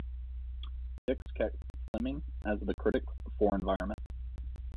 Dix kept Fleming as the critic for Environment.